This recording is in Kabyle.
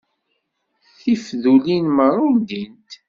Tifdulin merra undint.